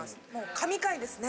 神回ですね。